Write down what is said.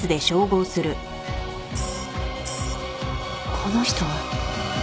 この人は。